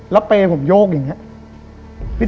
แล้วเปรย์ผมโยกอย่างนี้